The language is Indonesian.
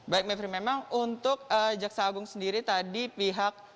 baik mevri memang untuk jaksa agung sendiri tadi pihak